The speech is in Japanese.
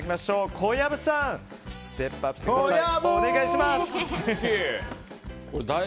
小籔さんステップアップしてください。